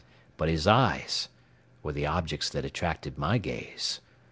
But his eyes were the objects that attracted my gaze.